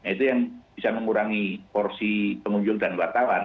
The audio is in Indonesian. itu yang bisa mengurangi porsi pengunjung dan wartawan